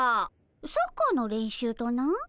サッカーの練習とな。